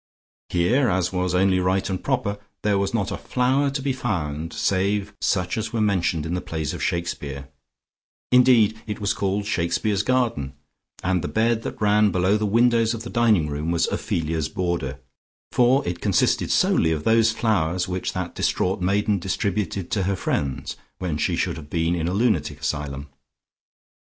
Here, as was only right and proper, there was not a flower to be found save such as were mentioned in the plays of Shakespeare; indeed it was called Shakespeare's garden, and the bed that ran below the windows of the dining room was Ophelia's border, for it consisted solely of those flowers which that distraught maiden distributed to her friends when she should have been in a lunatic asylum.